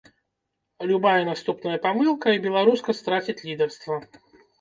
Любая наступная памылка, і беларуска страціць лідарства.